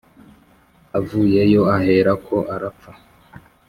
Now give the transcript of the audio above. avuyeyo aherako arapfa."